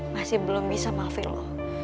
masih belum bisa maafin lo